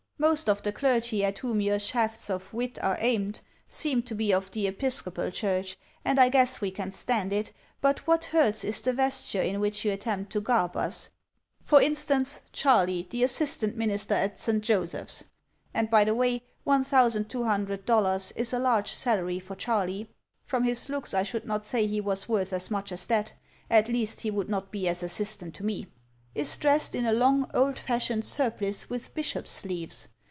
Most of the clergy at whom your shafts of wit are aimed seem to be of the Episcopal Church, and I guess we can stand it, but what hurts is the vesture in which you attempt to garb us. For instance, "Charley, the Assistant Minister at St. Joseph's — and by the way $1,200 is a large salary for Charley; from his looks I should not say he was worth as much as that, at least he would not be as assistant to me — is dressed in a long old fashioned surplice with bishop sleeves.